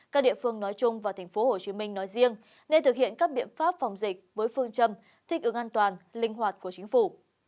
các địa phương nói chung và tp hcm nói riêng nên thực hiện các biện pháp phòng dịch với phương châm thích ứng an toàn linh hoạt của chính phủ